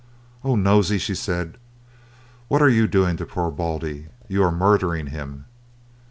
"Oh, Nosey," she said, "what are you doing to poor Baldy? You are murdering him."